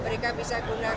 mereka bisa ambil lagi